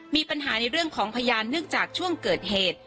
มีปัญหาในเรื่องของพยานเนื่องจากช่วงเกิดเหตุ